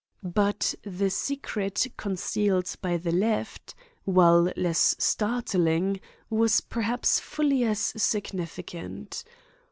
But the secret concealed by the left, while less startling, was perhaps fully as significant.